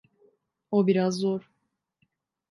O biraz zor.